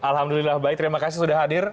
alhamdulillah baik terima kasih sudah hadir